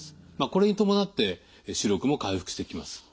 これに伴って視力も回復してきます。